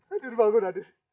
adit bangun adit